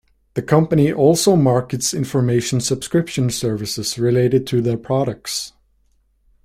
The company also markets information subscription services related to their products.